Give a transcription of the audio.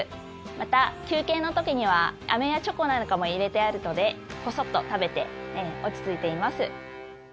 また、休憩の時にはアメやチョコなんかも入れてあるのでこそっと食べて落ち着いています。